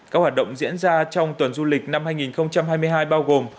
các hoạt động diễn ra trong tuần du lịch năm hai nghìn hai mươi hai bao gồm